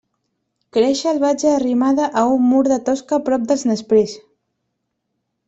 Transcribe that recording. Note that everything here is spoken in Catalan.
Creix salvatge arrimada a un mur de tosca prop dels nesprers.